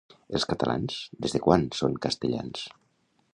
Els catalans, des de quan són castellans?